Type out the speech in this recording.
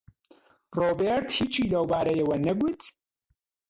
ڕۆبەرت هیچی لەو بارەیەوە نەگوت.